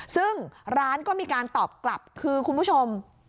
ซึ่งร้านก็มีการตอบกลับคือคุณผู้ชม